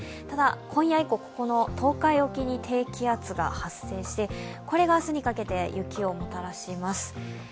ただ、今夜以降、東海沖に低気圧が発生し、これが明日にかけて雪をもたらします。